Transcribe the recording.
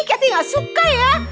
cathy gak suka ya